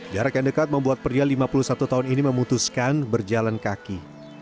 jarak yang dekat membuat pria lima puluh satu tahun ini memutuskan berjalan kaki